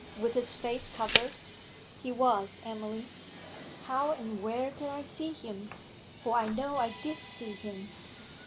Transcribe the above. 'With his face covered?' 'He was, Emily.' 'How and where did I see him? For I know I did see him.'